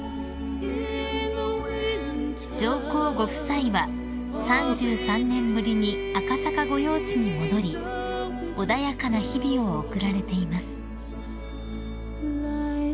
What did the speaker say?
［上皇ご夫妻は３３年ぶりに赤坂御用地に戻り穏やかな日々を送られています］